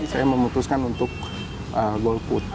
saya memutuskan untuk golput